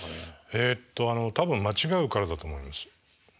えっと多分間違うからだと思います。